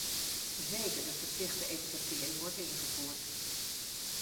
Zeker, de verplichte etikettering wordt ingevoerd.